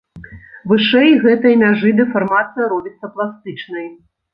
Вышэй гэтай мяжы дэфармацыя робіцца пластычнай.